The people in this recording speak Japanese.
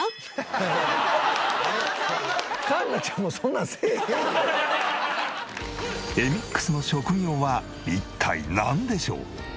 もうえみっくすの職業は一体なんでしょう？